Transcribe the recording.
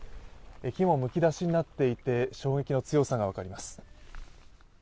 木もむき出しになっていて衝撃の強さが分かります。